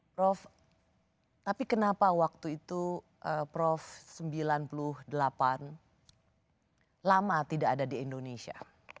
prof tapi kenapa waktu itu prof sembilan puluh delapan lama tidak ada di indonesia